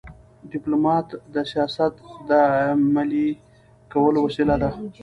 ډيپلومات د سیاست د عملي کولو وسیله ده.